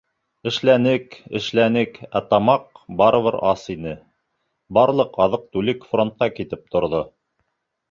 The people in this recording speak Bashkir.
Эшләнек, эшләнек, ә тамаҡ барыбер ас ине — барлыҡ аҙыҡ-түлек фронтҡа китеп торҙо.